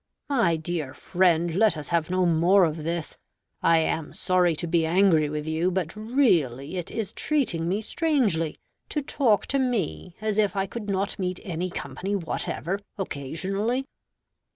My dear friend, let us have no more of this. I am sorry to be angry with you; but really it is treating me strangely to talk to me as if I could not meet any company whatever, occasionally.